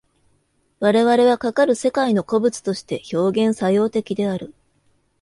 我々はかかる世界の個物として表現作用的である。